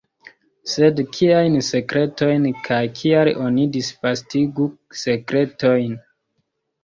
Sed kiajn sekretojn, kaj kial oni disvastigu sekretojn?